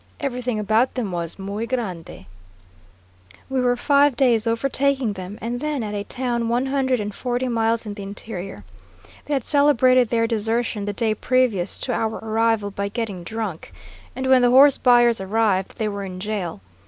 Everything about them was muy grande. We were five days overtaking them, and then at a town one hundred and forty miles in the interior. They had celebrated their desertion the day previous to our arrival by getting drunk, and when the horse buyers arrived they were in jail.